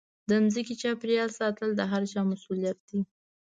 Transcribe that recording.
د ځمکې چاپېریال ساتل د هرچا مسوولیت دی.